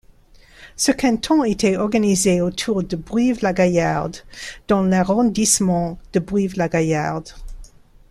Ce canton était organisé autour de Brive-la-Gaillarde dans l'arrondissement de Brive-la-Gaillarde.